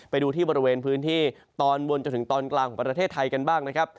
ไปดูที่บริเวณพื้นที่ตอนบนจนถึงตอนกลางของประเทศไทยกันบ้างนะครับ